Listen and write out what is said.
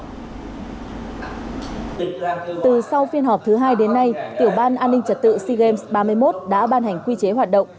từ sau phiên họp thứ hai đến nay tiểu ban an ninh trật tự sea games ba mươi một đã ban hành quy chế hoạt động